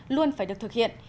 luôn phải được thực hiện